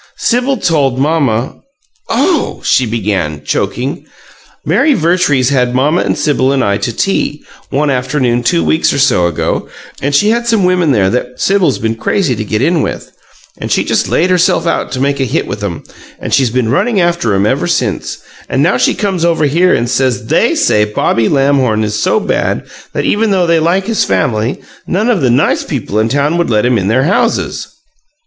"Sibyl told mamma OH!" she began, choking. "Mary Vertrees had mamma and Sibyl and I to tea, one afternoon two weeks or so ago, and she had some women there that Sibyl's been crazy to get in with, and she just laid herself out to make a hit with 'em, and she's been running after 'em ever since, and now she comes over here and says THEY say Bobby Lamhorn is so bad that, even though they like his family, none of the nice people in town would let him in their houses.